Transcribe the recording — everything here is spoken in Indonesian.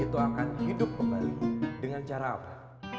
itu akan hidup kembali dengan cara apa